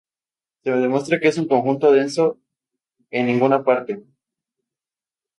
Se demuestra que es un conjunto denso en ninguna parte.